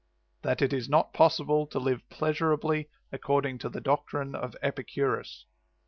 THAT IT IS NOT POSSIBLE TO LIVE PLEASURABLY ACCORDING TO THE DOCTRINE OF EPICURUS.